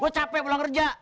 gua capek pulang kerja